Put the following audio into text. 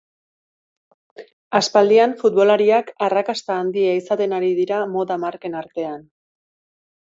Aspaldian futbolariak arrakasta handia izaten ari dira moda marken artean.